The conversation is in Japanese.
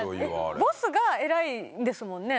ボスが偉いんですもんね。